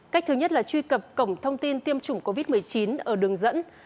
cách thứ nhất là truy cập cổng thông tin tiêm chủng covid một mươi chín ở đường dẫn